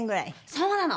そうなの。